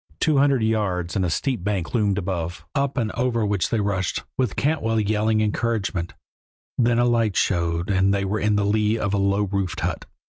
Two hundred yards, and a steep bank loomed above, up and over which they rushed, with Cantwell yelling encouragement; then a light showed, and they were in the lee of a low roofed hut.